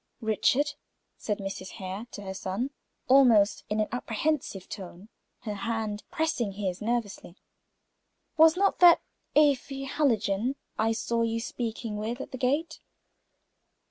"Richard," said Mrs. Hare to her son, almost in an apprehensive tone, her hand pressing his nervously, "was not that Afy Hallijohn I saw you speaking with at the gate?"